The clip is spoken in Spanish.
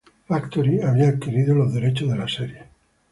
Factory había adquirido los derechos de la serie.